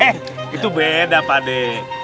he itu beda pak dek